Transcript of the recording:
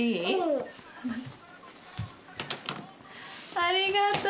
ありがとう。